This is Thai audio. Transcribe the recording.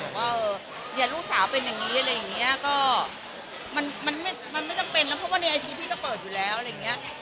ว่าอย่าลูกสาวเป็นอย่างนี้อะไรอย่างเงี้ยก็มันไม่จำเป็นแล้วเพราะว่าในไอจีพี่ก็เปิดอยู่แล้วอะไรอย่างเงี้ย